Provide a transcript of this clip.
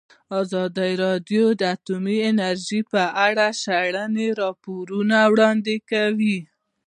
ازادي راډیو د اټومي انرژي په اړه د شخړو راپورونه وړاندې کړي.